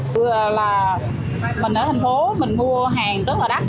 vừa là mình ở thành phố mình mua hàng rất là đắt